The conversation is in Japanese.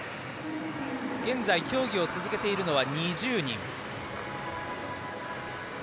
現在競技を続けているのは２０人。